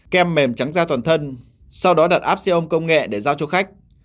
kem mềm trắng da toàn thân sau đó đặt app xe ôm công nghệ để giao cho khách